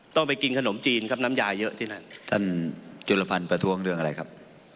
ต้องไปกินขนมจีนครับน้ำยาเยอะที่นั่นท่านจุลพันธ์ประท้วงเรื่องอะไรครับ